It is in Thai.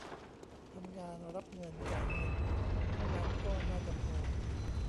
ทำงาน รับเงิน จ่ายเงิน เท่านั้นก็น่าจะพอ